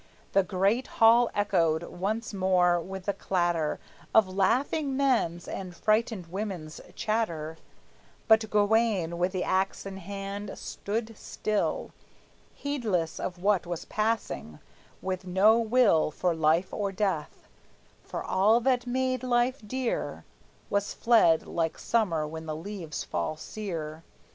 The great hall echoed once more with the clatter Of laughing men's and frightened women's chatter; But Gawayne, with the axe in hand, stood still, Heedless of what was passing, with no will For life or death, for all that made life dear Was fled like summer when the leaves fall sere.